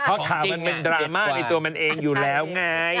เขาถามมันเป็นดราม่าในตัวมันเองอยู่แล้วไง